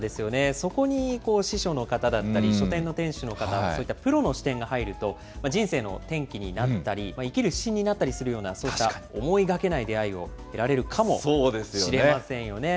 そこに司書の方だったり、書店の店主の方、そういったプロの視点が入ると、人生の転機になったり、生きる指針になったりするような、そういった思いがけない出会いを得られるかもしれませんよね。